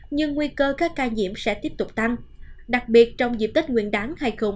nhưng nguy cơ các ca nhiễm sẽ tiếp tục tăng đặc biệt trong dịp tết nguyên đáng hai nghìn hai mươi bốn